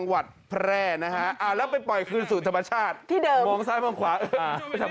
มันไปไหนไม่ได้ก่อนมันอิ่ม